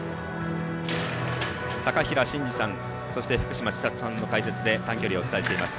高平慎士さん福島千里さんの解説で短距離をお伝えしています。